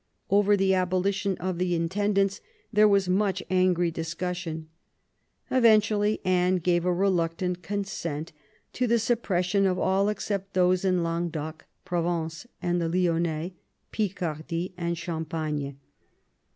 Over the abolition of the intendants there was much angry discussion. Eventually Anne gave a reluctant consent to the suppression of all except those in Languedoc, Provence, the Lyonnais, Picardy, and Champagne.